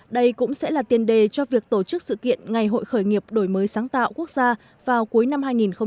đây cũng sẽ là tiền đề cho việc tổ chức sự kiện ngày hội khởi nghiệp đổi mới sáng tạo quốc gia vào cuối năm hai nghìn hai mươi